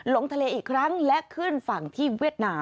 ลงทะเลอีกครั้งและขึ้นฝั่งที่เวียดนาม